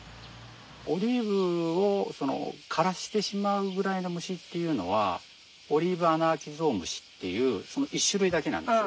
オリーブを枯らしてしまうぐらいの虫っていうのはオリーブアナアキゾウムシっていう１種類だけなんですよ。